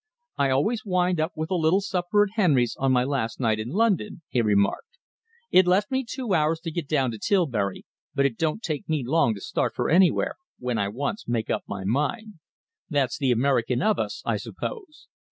"I always wind up with a little supper at Henry's, on my last night in London," he remarked. "It left me two hours to get down to Tilbury, but it don't take me long to start for anywhere when I once make up my mind. That's the American of us, I suppose.